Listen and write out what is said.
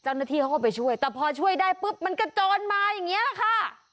เจ้าหน้าที่เขาก็ไปช่วยแต่พอช่วยได้ปุ๊บมันกระโจนมาอย่างนี้แหละค่ะ